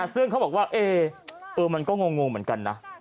ซึ่งเขาบอกว่ามันก็งงเหมือนกันนะ